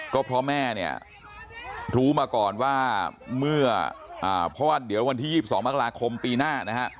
ก็เพราะแม่เนี่ยรู้มาก่อนว่าเมื่อเพราะว่าเดี๋ยววันที่๒๒มกราคมปีหน้านะฮะ